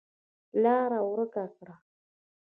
لاره ورکه کړه.